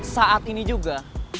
saat ini juga